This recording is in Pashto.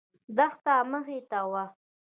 دښته مخې ته وه.